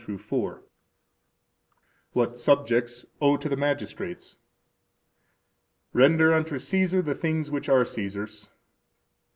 What Subjects Owe to the Magistrates. Render unto Caesar the things which are Caesar's.